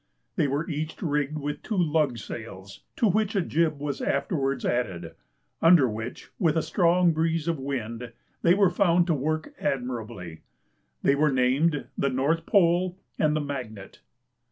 They were each rigged with two lug sails, to which a jib was afterwards added; under which, with a strong breeze of wind, they were found to work admirably. They were named the "North Pole" and the "Magnet."